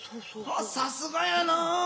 さすがやな。